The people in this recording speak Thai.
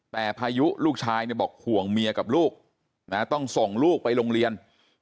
แต่พายุลูกชายบอกห่วงเมียกับลูกต้องส่งลูกไปโรงเรียน